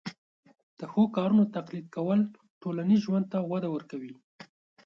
د ښو کارونو تقلید کول ټولنیز ژوند ته وده ورکوي.